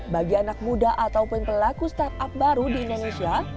bagi anak muda ataupun pelaku startup baru di indonesia